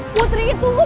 putri itu mu put